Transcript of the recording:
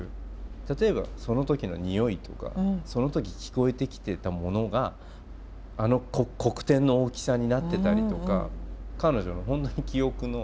例えばその時の匂いとかその時聞こえてきてたものがあの黒点の大きさになってたりとか彼女の本当に記憶の。